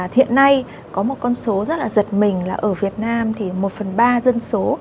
hiện nay có một con số rất là giật mình là ở việt nam thì một phần ba dân số